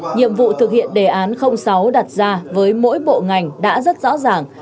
nhiệm vụ thực hiện đề án sáu đặt ra với mỗi bộ ngành đã rất rõ ràng